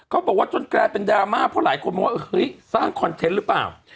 เขาบอกว่าจนกลายเป็นดราม่าเพราะหลายคนมองว่าเฮ้ยสร้างคอนเทนต์หรือเปล่า